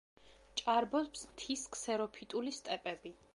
ჭარბობს მთის ქსეროფიტული სტეპები.